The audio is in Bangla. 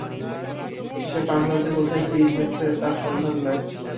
সে পাগলা যে কোথায় ফিরিতেছে তার সন্ধান নাই।